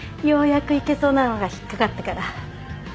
ようやくいけそうなのが引っ掛かったから。